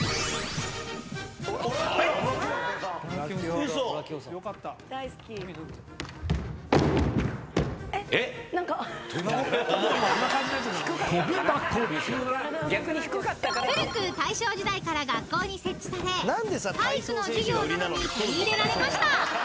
［古く大正時代から学校に設置され体育の授業などに取り入れられました］